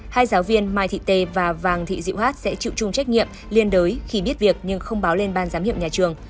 hai giáo viên mai thị tê và vàng thị diệu hát sẽ chịu chung trách nhiệm liên đối khi biết việc nhưng không báo lên ban giám hiệu nhà trường